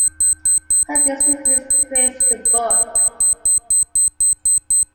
Kirkus Reviews praised the book.